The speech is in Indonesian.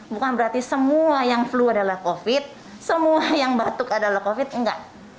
bukan berarti semua yang flu adalah covid sembilan belas semua yang batuk adalah covid sembilan belas enggak